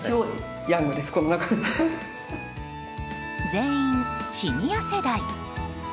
全員、シニア世代。